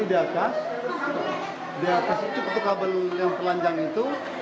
ini di atas di atas itu kabel yang pelanjang itu